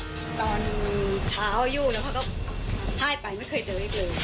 ตอนเช้าอยู่แล้วเขาก็ให้ไปไม่เคยเจออีกเลย